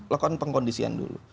lakukan pengkondisian dulu